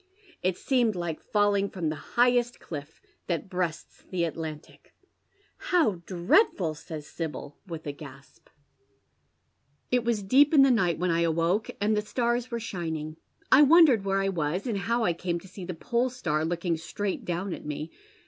It seemed like falhng from the highest clilf that breasts the Atlantic." " How dreadfnl I " says Sibyl, with a gasp. W Dead Men's Shoes. " It was deep in the night when I awoke, and the stars were shining. I wondered where I was, and how I came to see the pole star looking straight down at me.